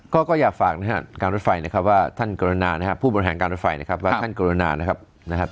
ก็อยากฝากนะครับการรถไฟนะครับว่าท่านกรณานะครับผู้บริหารการรถไฟนะครับว่าท่านกรุณานะครับนะครับ